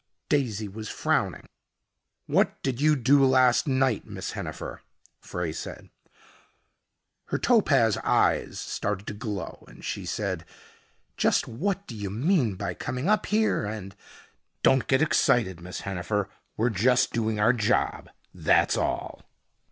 Daisy was frowning. "What did you do last night, Miss Hennifer?" Frey said. Her topaz eyes started to glow and she said, "Just what do you mean by coming up here and " "Don't get excited, Miss Hennifer. We're just doing our job, that's all."